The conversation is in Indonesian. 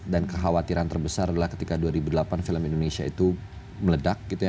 dan kekhawatiran terbesar adalah ketika dua ribu delapan film indonesia itu meledak gitu ya